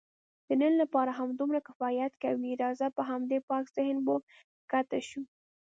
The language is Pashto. د نن لپاره همدومره کفایت کوي، راځه په همدې پاک ذهن به کښته شو.